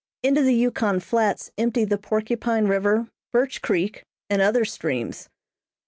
Into the Yukon Flats empty the Porcupine River, Birch Creek and other streams.